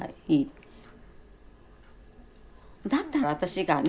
「だったら私がね